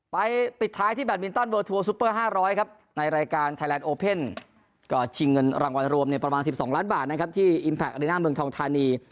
ปิดท้ายที่แบตมินตันเวอร์ทัวร์ซุปเปอร์๕๐๐ครับในรายการไทยแลนดโอเพ่นก็ชิงเงินรางวัลรวมประมาณ๑๒ล้านบาทนะครับที่อิมแพคอริน่าเมืองทองธานี